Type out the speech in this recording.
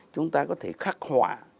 chúng ta có thể khắc họa